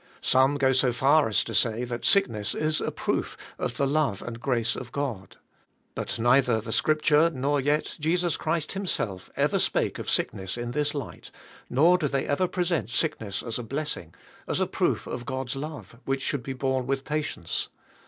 Some go so far as to say ftbat sickness is a proof of the love and grace of God. But neither the Scripture nor yet Je sus Ohrist Himself ever spake of sickness in this light, nor do They ever present sickness as a blessing, as a proof of God's lore Which should be borne with patience „« L 10 MYmE HEAIJK&.